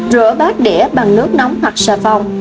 rửa bát đĩa bằng nước nóng hoặc xà phòng